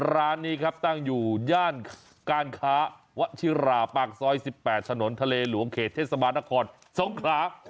ร้านนี้ตั้งอยู่ย่านการคลาวะชิลาปากซอย๑๘ถนนทะเลหลวงเขตเซมาระดาคองสงขลา